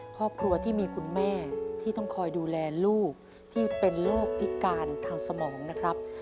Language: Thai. ครอบครัวที่มีคุณแม่ที่ต้องคอยดูแลลูกที่เป็นโรคพิการทางสมองนะครับ